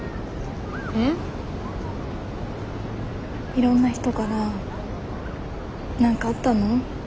いろんな人から「何かあったの？」